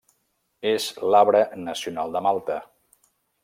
És l'arbre nacional de Malta.